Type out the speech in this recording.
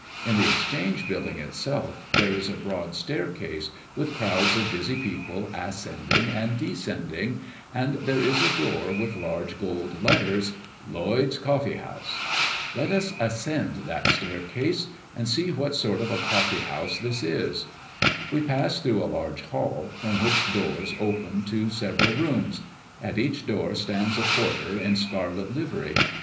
In the Exchange building itself there is a broad staircase, with crowds of busy people ascending and descending, and there is a door with large gold letters, "Lloyd's Coffee House." Let us ascend that staircase, and see what sort of a coffee house this is. We pass through a large hall, from which doors open to several rooms; at each door stands a porter in scarlet livery.